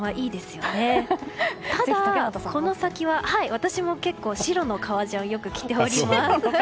私も結構、白の革ジャンを着ております。